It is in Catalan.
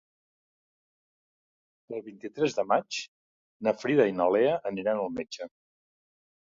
El vint-i-tres de maig na Frida i na Lea aniran al metge.